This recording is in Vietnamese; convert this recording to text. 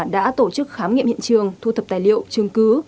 đã tổ chức khám nghiệm hiện trường thu thập tài liệu chứng cứ